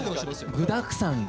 具だくさんで。